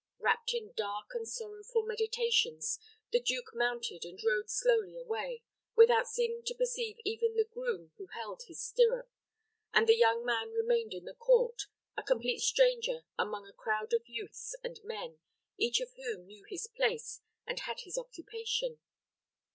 Wrapped in dark and sorrowful meditations, the duke mounted and rode slowly away, without seeming to perceive even the groom who held his stirrup, and the young man remained in the court, a complete stranger among a crowd of youths and men, each of whom knew his place and had his occupation.